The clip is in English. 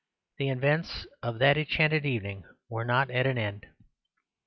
The events of that enchanted evening were not at an end.